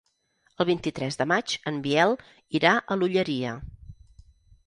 El vint-i-tres de maig en Biel irà a l'Olleria.